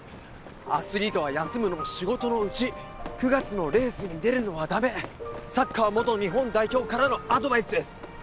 アスリートは休むのも仕事のうち９月のレースに出るのはダメサッカー元日本代表からのアドバイスです！